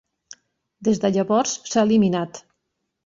Des de llavors s'ha eliminat.